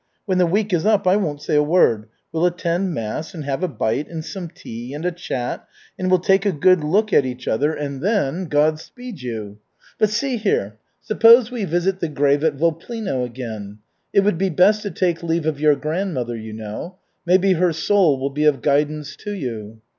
When the week is up, I won't say a word. We'll attend mass, and have a bite, and some tea, and a chat, and we'll take a good look at each other, and then God speed you! But, see here, suppose we visit the grave at Voplino again. It would be best to take leave of your grandmother, you know. Maybe her soul will be of guidance to you."